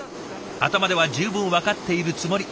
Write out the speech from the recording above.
頭では十分分かっているつもり。